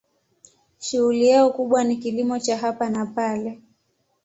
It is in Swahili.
Shughuli yao kubwa ni kilimo cha hapa na pale.